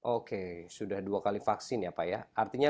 oke sudah dua kali vaksin ya pak ya